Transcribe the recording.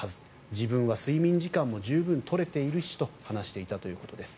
自分は睡眠時間も十分取れているしと話していたということです。